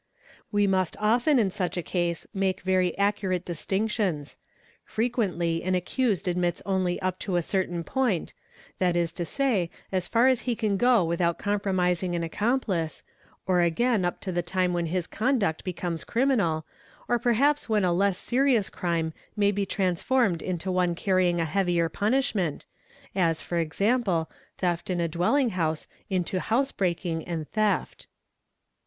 We must often in such a case make very accurate distinctions; frequently an accused admits only up to a certain point, that is to say, as far as he can go without compromising: an accomplice, or again up to the time when his conduct becomes criminal, or perhaps when a less serious crime may be transformed into one carrying a heavier punishment, as ¢.g., theft in a dwelling house into house breaking and theft.